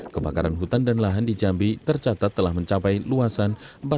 kebakaran hutan dan lahan di jambi tercatat telah mencapai luasan